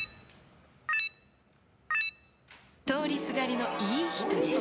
通りすがりのいい人です。